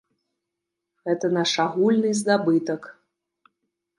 Гэта наш агульны здабытак.